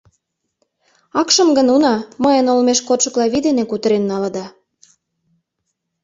Акшым гын, уна, мыйын олмеш кодшо Клави дене кутырен налыда.